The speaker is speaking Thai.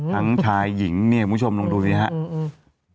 ทั้งชายหญิงคุณผู้ชมลงดูนี่ครับ